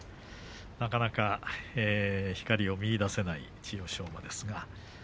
なかなか光を見いだせない千代翔馬です。